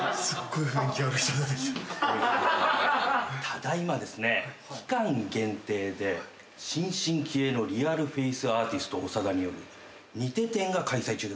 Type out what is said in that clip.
ただ今ですね期間限定で新進気鋭のリアルフェイスアーティスト長田による似て展が開催中でございます。